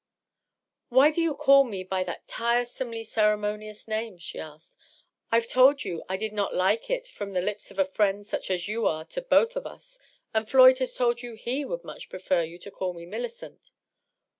" Why do you call me by that tire somely ceremonious name?' she asked. " Pve told you I did not like it from the lips of a friend such as you are to both of us, and Floyd has told you he would much prefer you to call me Millicent."